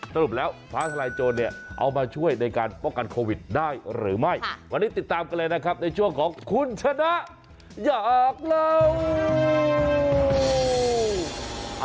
สรุปแล้วฟ้าทลายโจรเนี่ยเอามาช่วยในการป้องกันโควิดได้หรือไม่วันนี้ติดตามกันเลยนะครับในช่วงของคุณชนะอยากเล่า